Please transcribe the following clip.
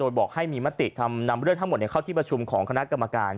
โดยบอกให้มีมตินำเรื่องทั้งหมดเข้าที่ประชุมของคณะกรรมการ